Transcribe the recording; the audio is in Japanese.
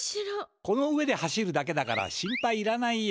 この上で走るだけだから心配いらないよ。